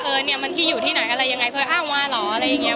เออเนี่ยมันที่อยู่ที่ไหนอะไรยังไงเคยอ้างมาเหรออะไรอย่างนี้